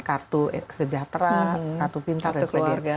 kartu sejahtera kartu pintar dan sebagainya